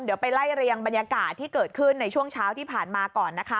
เดี๋ยวไปไล่เรียงบรรยากาศที่เกิดขึ้นในช่วงเช้าที่ผ่านมาก่อนนะคะ